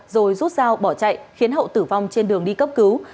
rồi rút dao bỏ chạy khiến hậu tử vong trên đường đi cấp cứu